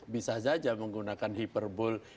bisa saja menggunakan hyperbole